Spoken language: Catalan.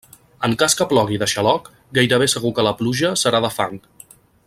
En cas que plogui de xaloc, gairebé segur que la pluja serà de fang.